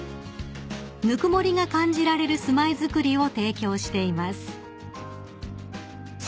［ぬくもりが感じられる住まいづくりを提供しています］